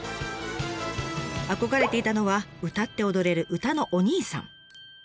憧れていたのは歌って踊れる歌のお兄さん。